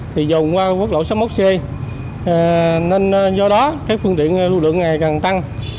thì dồn qua quốc lộ sáu mươi một c nên do đó cái phương tiện lưu lượng ngày càng tăng